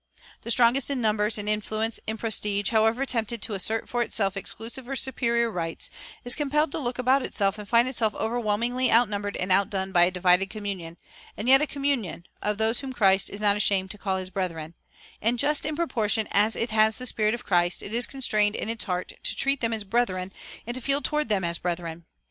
The strongest in numbers, in influence, in prestige, however tempted to assert for itself exclusive or superior rights, is compelled to look about itself and find itself overwhelmingly outnumbered and outdone by a divided communion and yet a communion of those whom Christ "is not ashamed to call his brethren"; and just in proportion as it has the spirit of Christ, it is constrained in its heart to treat them as brethren and to feel toward them as brethren.